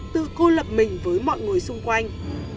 tự cô lập mình với mọi người xung quanh